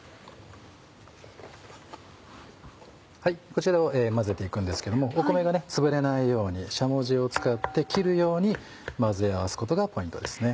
こちらを混ぜて行くんですけども米がつぶれないようにしゃもじを使って切るように混ぜ合わすことがポイントですね。